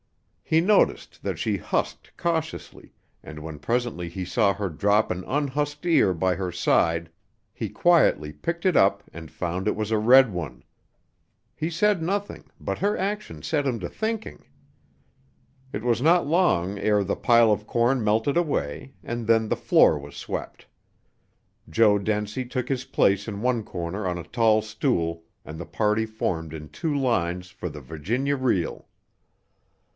He noticed that she husked cautiously, and when presently he saw her drop an unhusked ear by her side he quietly picked it up and found it was a red one. He said nothing, but her action set him to thinking. It was not long ere the pile of corn melted away, and then the floor was swept; Joe Dencie took his place in one corner on a tall stool, and the party formed in two lines for the Virginia reel.